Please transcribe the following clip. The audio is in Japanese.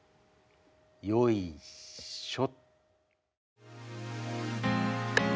よいしょ。